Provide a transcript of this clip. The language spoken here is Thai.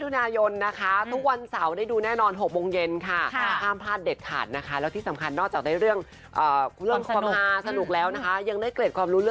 คุ้นเคยใบตองรัศจรรย์รับบทเราบอกได้ไหมสปอยด์ได้ป่าว